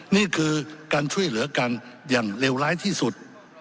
นี่คือการช่วยเหลือกันอย่างเลวร้ายที่สุด